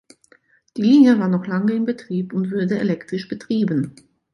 Die Linie war noch lange in Betrieb und wurde elektrisch betrieben.